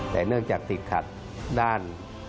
แต่เนื่องจากติดขัดด้าน